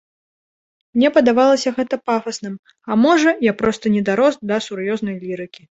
Мне падавалася гэта пафасным, а можа, я проста не дарос да сур'ёзнай лірыкі.